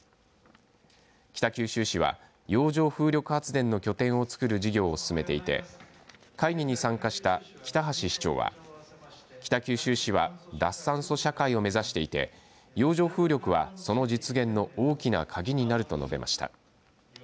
北九州市は洋上風力発電の拠点をつくる事業を進めていて会議に参加した北橋市長は北九州市は脱炭素社会を目指していて洋上風力はその実現の大きな鍵になると述べました。